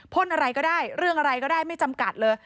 อะไรก็ได้เรื่องอะไรก็ได้ไม่จำกัดเลย